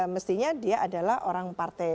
mestinya dia adalah orang partai